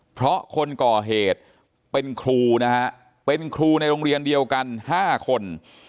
เพราะคนก่อเหตุเป็นครูนะฮะเป็นครูในโรงเรียนเดียวกัน๕คน